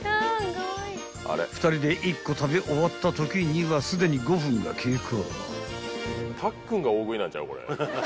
［２人で１個食べ終わったときにはすでに５分が経過］